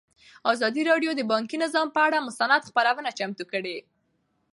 ازادي راډیو د بانکي نظام پر اړه مستند خپرونه چمتو کړې.